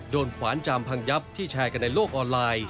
ขวานจามพังยับที่แชร์กันในโลกออนไลน์